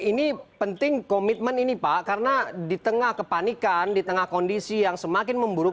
ini penting komitmen ini pak karena di tengah kepanikan di tengah kondisi yang semakin memburuk